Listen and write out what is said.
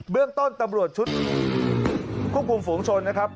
เรื่องต้นตำรวจชุดควบคุมฝูงชนนะครับ